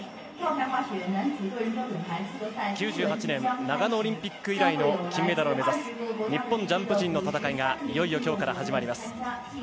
９８年長野オリンピック以来の金メダルを目指す日本ジャンプ陣の戦いがいよいよ、きょうから始まります。